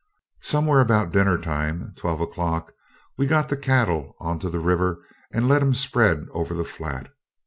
Somewhere about dinner time (twelve o'clock) we got the cattle on to the river and let 'em spread over the flat.